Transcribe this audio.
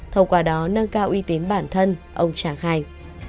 thậu quả đó nâng cao uy tín bản thân ông trà khai